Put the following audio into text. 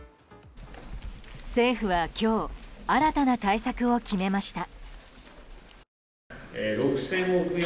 政府は今日新たな対策を決めました。